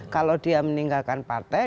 kalau dia meninggalkan partai